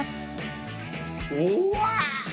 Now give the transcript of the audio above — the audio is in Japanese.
うわ！